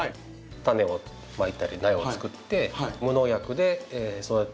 種をまいたり苗を作って無農薬で育てればですね